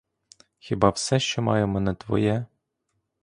Хіба все, що маємо, не твоє?